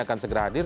akan segera hadir